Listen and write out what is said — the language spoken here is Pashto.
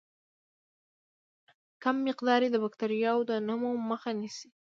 کم مقدار یې د باکتریاوو د نمو مخه نیسي.